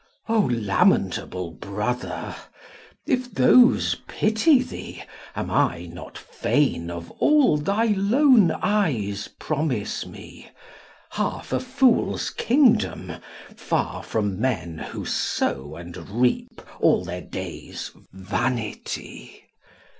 O lamentable brother! if those pity thee, Am I not fain of all thy lone eyes promise me; Half a fool's kingdom, far from men who sow and reap, All their days, vanity?